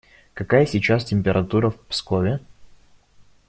Какая сейчас температура в Пскове?